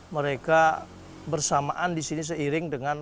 mereka bersamaan di sini seiring dengan